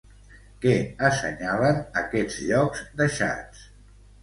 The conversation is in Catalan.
Què assenyalen aquests llocs deixats?